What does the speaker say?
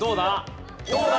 どうだ？